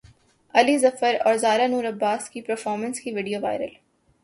علی ظفر اور زارا نور عباس کی پرفارمنس کی ویڈیو وائرل